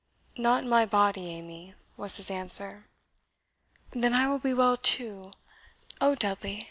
"Not in my body, Amy," was his answer. "Then I will be well too. O Dudley!